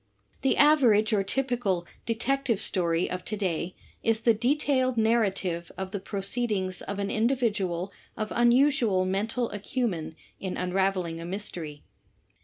The average or typical Detective Story of to day is the detailed narrative of the proceedings of an individual of unusual mental acumen in unraveling a mystery.